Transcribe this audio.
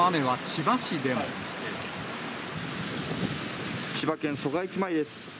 千葉県蘇我駅前です。